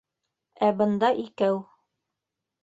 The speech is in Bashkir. Ә бында икәү.